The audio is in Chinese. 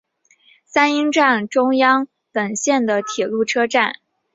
三鹰站中央本线的铁路车站。